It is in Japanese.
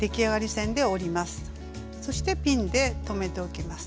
そしてピンで留めておきます。